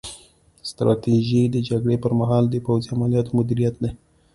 ستراتیژي د جګړې پر مهال د پوځي عملیاتو مدیریت دی